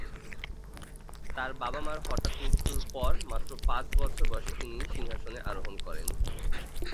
তার বাবা-মার হঠাৎ মৃত্যুর পর মাত্র পাঁচ বছর বয়সে তিনি সিংহাসনে আরোহণ করেন।